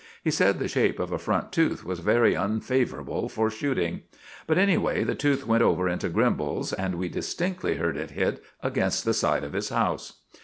He said the shape of a front tooth was very unfavorable for shooting. But, anyway, the tooth went over into Grimbal's, and we distinctly heard it hit against the side of his house.